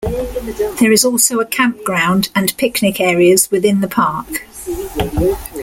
There is also a campground and picnic areas within the park.